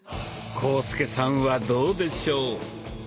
浩介さんはどうでしょう？